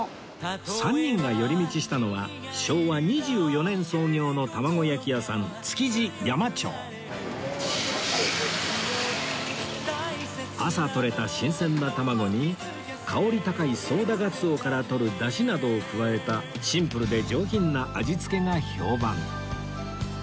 ３人が寄り道したのは昭和２４年創業の玉子焼き屋さん築地山長朝とれた新鮮な卵に香り高いソウダガツオから取る出汁などを加えたシンプルで上品な味付けが評判